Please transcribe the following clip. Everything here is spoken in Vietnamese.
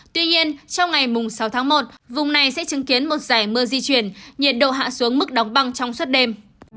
tuy nhiên trong ngày sáu tháng một vùng này sẽ chứng kiến một giải mưa di chuyển nhiệt độ hạ xuống mức đóng băng trong suốt đêm